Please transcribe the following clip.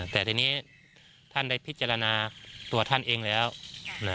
แต่ทีนี้ท่านได้พิจารณาตัวท่านเองแล้วนะ